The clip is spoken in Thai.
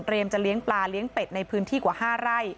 จะเลี้ยงปลาเลี้ยงเป็ดในพื้นที่กว่า๕ไร่